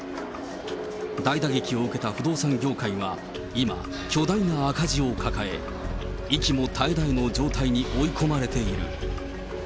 大打撃を受けた不動産業界は今、巨大な赤字を抱え、息も絶え絶えの状態に追い込まれている。